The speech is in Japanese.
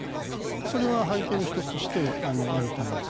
それは背景の１つとしてあると思います。